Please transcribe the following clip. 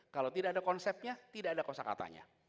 kalau tidak ada konsepnya tidak ada kosa katanya